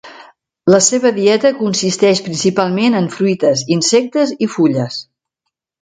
La seva dieta consisteix principalment en fruites, insectes i fulles.